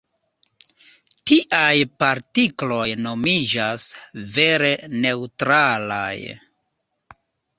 Tiaj partikloj nomiĝas "vere neŭtralaj".